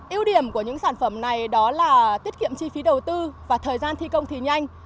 yêu điểm của những sản phẩm này đó là tiết kiệm chi phí đầu tư và thời gian thi công thì nhanh